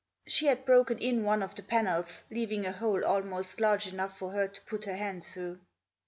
She had broken in one of the panels, leaving a hole almost large enough for her to put her hand through.